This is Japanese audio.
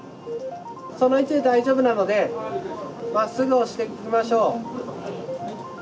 その位置で大丈夫なので、まっすぐ押していきましょう。